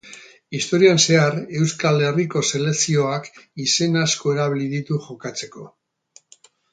Historian zehar, Euskal Herriko selekzioak izen asko erabili ditu jokatzeko.